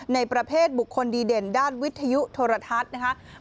ในประเภทบุคคลดีเด่นด้านวิทยุโทรทัศน์นะคะ